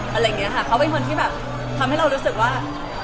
อะไรอย่างนี้ค่ะเขาเป็นคนที่แบบทำให้เรารู้สึกว่า